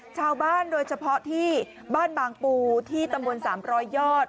ชาวบ้านโดยเฉพาะที่บ้านบางปู่ที่ตำบลสามรอยยอด